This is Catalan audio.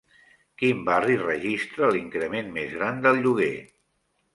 Quin barri registra l'increment més gran del lloguer?